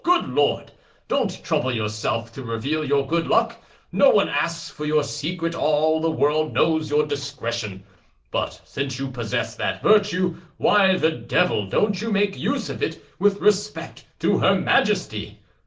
Oh, good Lord! Don't trouble yourself to reveal your good luck; no one asks for your secret—all the world knows your discretion. But since you possess that virtue, why the devil don't you make use of it with respect to her Majesty?